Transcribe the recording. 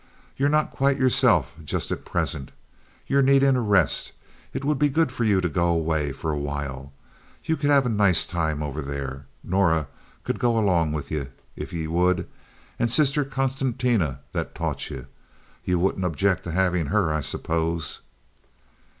Ye're not quite yourself just at present. Ye're needin' a rest. It would be good for ye to go away for a while. Ye could have a nice time over there. Norah could go along with ye, if you would, and Sister Constantia that taught you. Ye wouldn't object to havin' her, I suppose?"